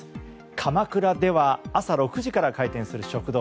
鎌倉では朝６時から開店する食堂。